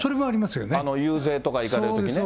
遊説とか行かれるときね。